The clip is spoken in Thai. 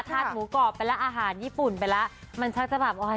หมูกรอบไปแล้วอาหารญี่ปุ่นไปแล้วมันชักจะแบบออย